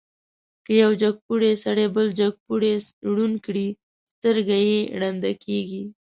که یو جګپوړی سړی بل جګپوړی ړوند کړي، سترګه یې ړنده کېږي.